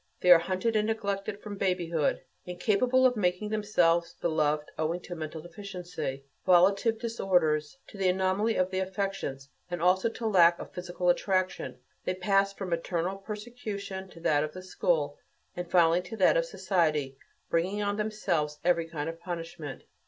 They are hunted and neglected from babyhood. Incapable of making themselves beloved owing to mental deficiency, volitive disorders, to the anomaly of the affections and also to lack of physical attraction, they pass from maternal persecution to that of the school, and finally to that of society, bringing on themselves every kind of punishment.